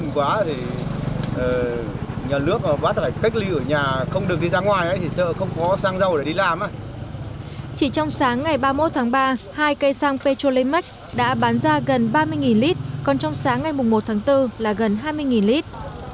chỉ trong sáng ngày ba mươi một tháng ba hai cây xăng petrolimax đã bán ra gần ba mươi lít còn trong sáng ngày một tháng bốn là gần hai mươi lít